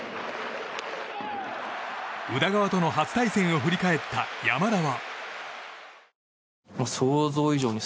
宇田川との初対戦を振り返った山田は。